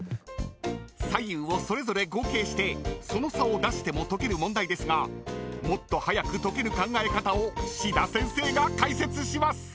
［左右をそれぞれ合計してその差を出しても解ける問題ですがもっと早く解ける考え方を志田先生が解説します］